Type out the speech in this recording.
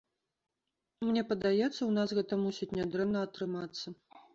Мне падаецца ў нас гэта мусіць не дрэнна атрымацца.